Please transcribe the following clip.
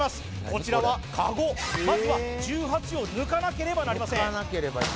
こちらはかごまずは１８を抜かなければなりません